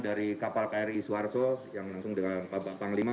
dari kapal kri suharto yang langsung dengan bapak panglima